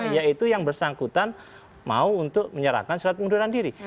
yaitu yang bersangkutan mau untuk menyerahkan surat pengunduran diri